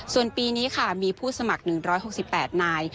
ส่วนปีนี้ค่ะมีผู้สมัคร๑๖๘นาย